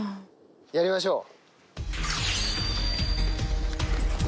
やりましょう。